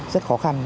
rất khó khăn